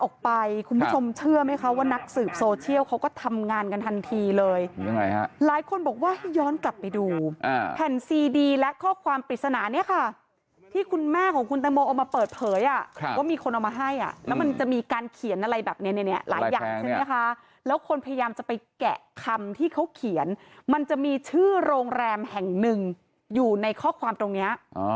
แก่คำที่เขาเขียนมันจะมีชื่อโรงแรมแห่งหนึ่งอยู่ในข้อความตรงนี้